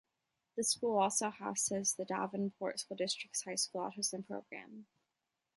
The school also houses the Davenport School District's high school autism program.